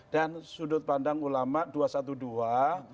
dan sudut pandang ulama dua ratus dua belas